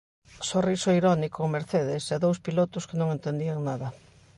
Sorriso irónico en Mercedes e dous pilotos que non entendían nada.